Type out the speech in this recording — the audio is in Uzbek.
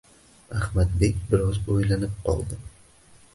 Ahmadbek biroz o’ylanib qoldi.